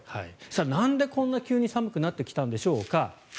なんでこんな急に寒くなってきたんでしょうか。